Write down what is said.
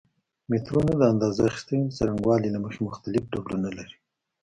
مترونه د اندازه اخیستنې د څرنګوالي له مخې مختلف ډولونه لري.